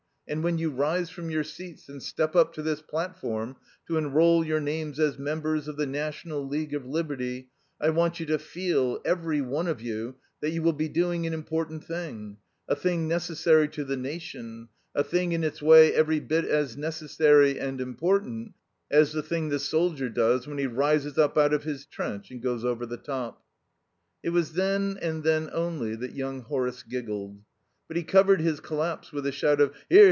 And when you rise from your seats and step up to this platform to enroll your names as members of the National League of Liberty, I want you to feel, every one of you, that you will be doing an important thing, a thing necessary to the nation, a thing in its way every bit as necessary and important as the thing the soldier does when he rises up out of his trench and goes over the top." It was then, and then only, that young Horace giggled. But he covered his collapse with a shout of "Hear!